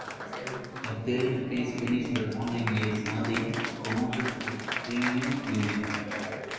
A third-place finish the following year saw them promoted to the Premier Division.